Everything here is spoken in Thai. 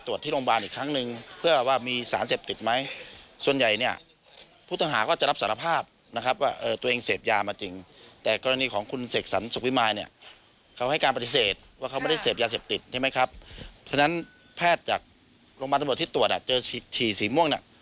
ว่าเพศจากโรงพยาบาลถามวัดนำบัติที่ตรวจนะเจอฉี่สีม่วงน่ะ